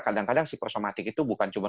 kadang kadang psikosomatik itu bukan cuma